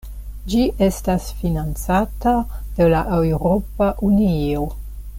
Ĝi estas financata de la Eŭropa Unio.